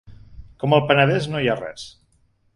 Com el Penedès no hi ha res